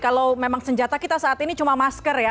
kalau memang senjata kita saat ini cuma masker ya